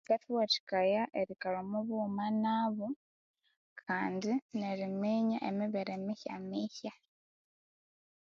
Kyikathuwathikaya erikalha omwa bughuma nabo kandi neriminya emibere emihyamihya.